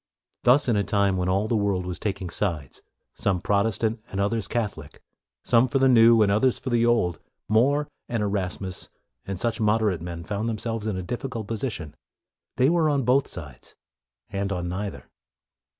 Thus in a time when all the world was taking sides, some Protestant and others Catholic, some for the new and others for the old, More and Erasmus and such moderate men found themselves in a diffi cult position. They were on both sides, and on neither.